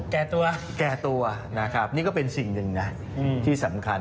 แก่ตัวแก่ตัวนะครับนี่ก็เป็นสิ่งหนึ่งนะที่สำคัญ